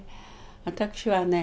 私はね